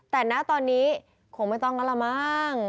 แต่หน้าตอนนี้คงไม่ต้องกันแล้วมั้ง